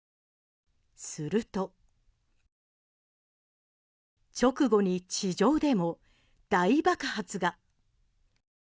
すると直後に地上でも大爆発が。